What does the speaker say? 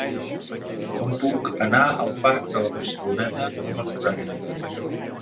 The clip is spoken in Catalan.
Com puc anar al parc de la Barceloneta número quaranta-vuit?